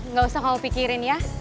nggak usah kamu pikirin ya